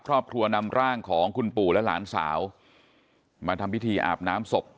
ครอบครัวนำร่างของคุณปู่และหลานสาวมาทำพิธีอาบน้ำศพ